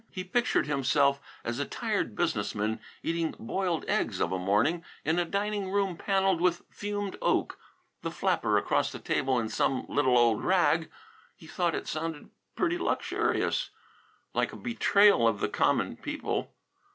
He pictured himself as a tired business man eating boiled eggs of a morning in a dining room panelled with fumed oak, the flapper across the table in some little old rag. He thought it sounded pretty luxurious like a betrayal of the common people.